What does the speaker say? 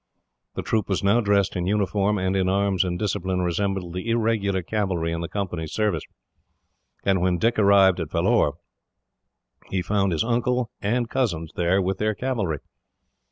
The troop was now dressed in uniform, and in arms and discipline resembled the irregular cavalry in the Company's service, and when Dick arrived at Vellore he found his uncle and cousins there with their cavalry.